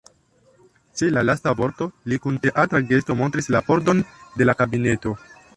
Ĉe la lasta vorto li kun teatra gesto montris la pordon de la kabineto.